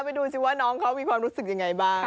ดูสิว่าน้องเขามีความรู้สึกยังไงบ้าง